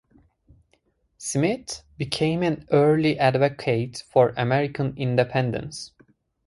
Smith became an early advocate for American Independence.